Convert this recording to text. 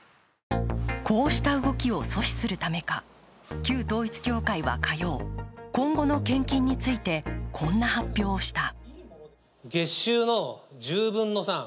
こうした動きを阻止するためか、旧統一教会は火曜、今後の献金についてこんな発表をした。